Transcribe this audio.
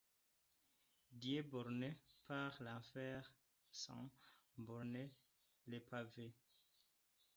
Dieu borné par l’enfer sans : bornes, les pavés